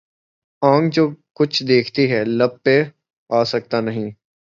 آنکھ جو کچھ دیکھتی ہے لب پہ آ سکتا نہیں